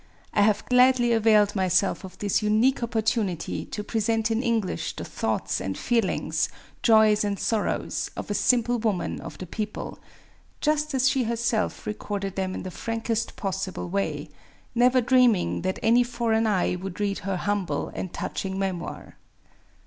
I have gladly availed myself of this unique opportunity to present in English the thoughts and feelings, joys and sorrows, of a simple woman of the people — just as she her self recorded them in the frankest possible way, never dreaming that any foreign eye would read her humble and touching memoir.